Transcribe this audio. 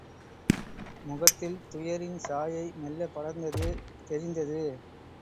முகத்தில் துயரின் சாயை மெல்லப்படர்ந்தது தெரிந்தது.